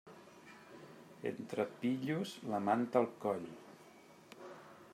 Entre pillos, la manta al coll.